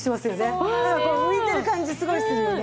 浮いてる感じすごいするよね。